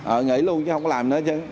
ờ nghỉ luôn chứ không có làm nữa chứ